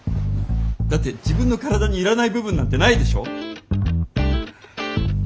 だって自分の体にいらない部分なんてないでしょ。